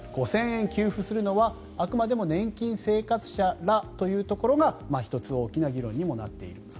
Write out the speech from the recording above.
５０００円給付するのはあくまでも年金生活者らというところが１つ、大きな議論にもなっている。